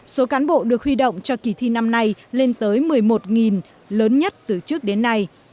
số cán bộ được huy động cho kỳ thi năm nay lên tới một mươi một lớn nhất từ trước đến nay